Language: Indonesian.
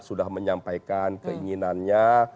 sudah menyampaikan keinginannya